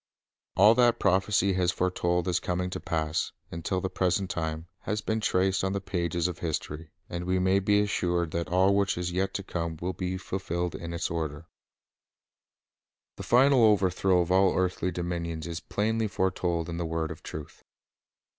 All that prophecy has foretold as coming to pass, un til the present time, has been traced on the pages of history, and we may be assured that all which is yet to come will be fulfilled in its order. 1 Eze. i : 4, 26 ; 10 : 8. History and Prophecy 179 The final overthrow of all earthly dominions is plainly foretold in the word of truth.